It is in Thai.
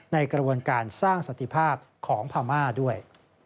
ในกระบวนการสร้างสันติภาพของพม่าด้วย